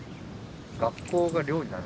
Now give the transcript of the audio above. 学校が寮になる？